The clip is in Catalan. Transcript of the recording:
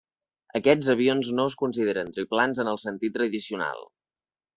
Aquests avions no es consideren triplans en el sentit tradicional.